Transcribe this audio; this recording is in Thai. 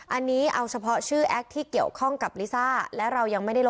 อันนี้เอาเฉพาะชื่อแอคที่เกี่ยวข้องกับลิซ่า